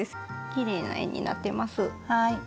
きれいな円になってます。